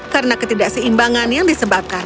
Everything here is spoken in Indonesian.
karena keseimbangan yang disebabkan